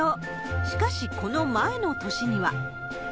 しかし、この前の年には。